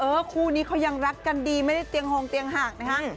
คู่นี้เขายังรักกันดีไม่ได้เตียงโฮงเตียงหักนะฮะ